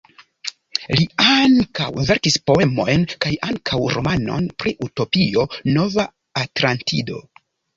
Li ankaŭ verkis poemojn kaj ankaŭ romanon pri utopio, Nova Atlantido.